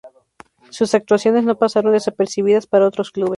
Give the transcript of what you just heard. Sus actuaciones no pasaron desapercibidas para otros clubes.